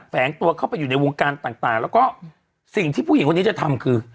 แฝงตัวเข้าไปอยู่ในวงการต่างแล้วก็สิ่งที่ผู้หญิงคนนี้จะทำคือ